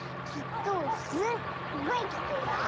きっとすっごいきくよ。